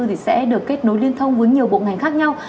thì sẽ được kết nối liên thông với nhiều bộ ngành khác nhau